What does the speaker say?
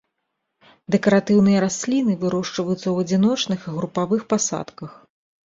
Дэкаратыўныя расліны, вырошчваюцца ў адзіночных і групавых пасадках.